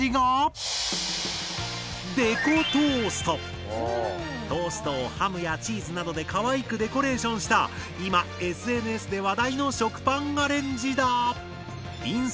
トーストをハムやチーズなどでかわいくデコレーションした今ＳＮＳで話題の食パンアレンジだ！